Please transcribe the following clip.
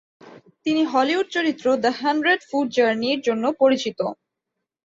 তিনি হলিউড চলচ্চিত্র "the hundred foot জার্নি"র জন্য পরিচিত।